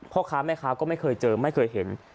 พ่อค้าแม่ค้าก็ไม่เคยเจอไม่เคยเห็น